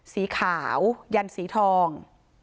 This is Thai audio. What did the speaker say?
สีขาวยันสีทอง